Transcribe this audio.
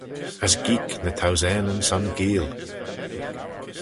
As geeck ny thousaneyn son geayl.